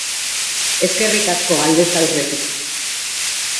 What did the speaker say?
Eskerrik asko aldez aurretik.